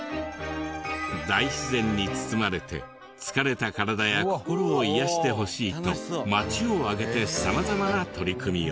大自然に包まれて疲れた体や心を癒やしてほしいと町を挙げて様々な取り組みを。